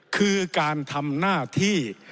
คือการทำหน้าที่